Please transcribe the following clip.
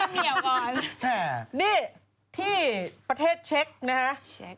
นี่ที่ประเทศเช็คนะครับ